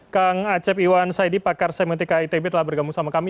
kang acep iwan saidipakar semetika itb telah bergabung sama kami